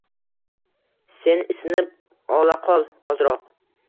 Sen isinib olaqol ozroq.